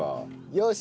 よし。